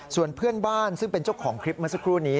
ส่วนเพื่อนบ้านซึ่งเป็นเจ้าของคลิปเมื่อสักครู่นี้